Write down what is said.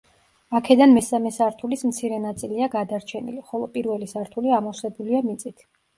აქედან მესამე სართულის მცირე ნაწილია გადარჩენილი, ხოლო პირველი სართული ამოვსებულია მიწით.